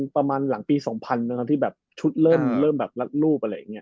ประมาณหลังปีสองพันตอนที่แบบชุดเริ่มเริ่มแบบรัดรูปอะไรอย่างเงี้ย